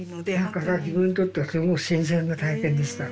だから自分にとってはすごく新鮮な体験でした。